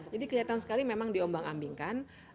jadi kelihatan sekali memang diombang ambingkan